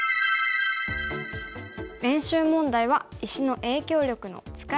練習問題は石の影響力の使い方がテーマです。